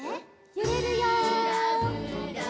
ゆれるよ。